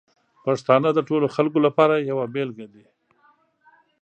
پښتانه د ټولو خلکو لپاره یوه بېلګه دي.